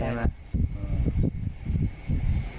เห็นไหม